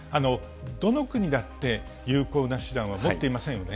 どの国だって有効な手段は持っていませんよね。